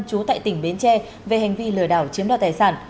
chú tại tỉnh bến tre về hành vi lừa đảo chiếm đạt tài sản